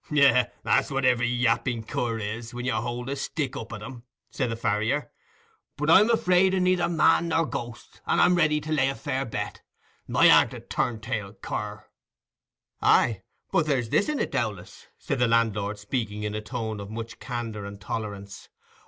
"Yes, that's what every yapping cur is, when you hold a stick up at him," said the farrier. "But I'm afraid o' neither man nor ghost, and I'm ready to lay a fair bet. I aren't a turn tail cur." "Aye, but there's this in it, Dowlas," said the landlord, speaking in a tone of much candour and tolerance.